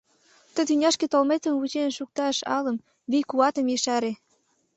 Ты тӱняшке толметым вучен шукташ алым, вий-куатым ешаре!..